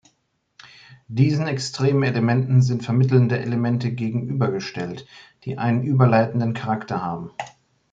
Diesen Extrem-Elementen sind vermittelnde Elemente gegenübergestellt, die einen überleitenden Charakter haben.